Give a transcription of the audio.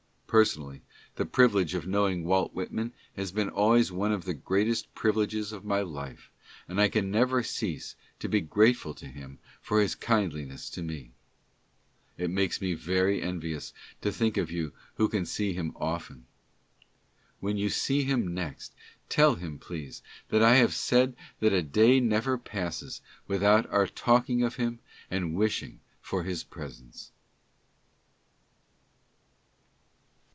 Personally, the privilege of knowing Walt Whitman has been always one of the greatest privileges of my life, and I can never cease to be grateful to him for his kindliness to me. It makes me very envious to think of you who can see him often ! When you see him next, tell him, please, that I have said that a day never passes without our talking of him and* wishing for his presence.